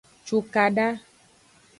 Cukada.